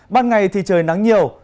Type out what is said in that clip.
ban ngày thì trời nắng nhiều